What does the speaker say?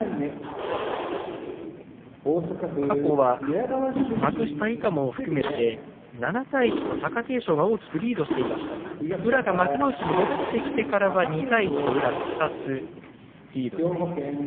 過去は幕下以下も含めて７対１と貴景勝が大きくリードしていましたが宇良が幕内に戻ってきてからは２対１と宇良がリードしています。